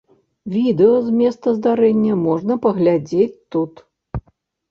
Відэа з месца здарэння можна паглядзець тут.